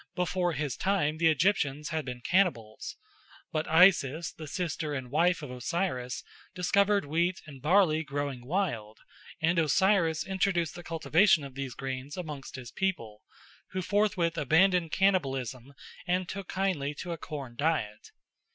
Before his time the Egyptians had been cannibals. But Isis, the sister and wife of Osiris, discovered wheat and barley growing wild, and Osiris introduced the cultivation of these grains amongst his people, who forthwith abandoned cannibalism and took kindly to a corn diet.